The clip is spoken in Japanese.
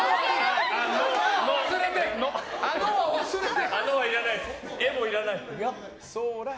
「あの」は忘れて！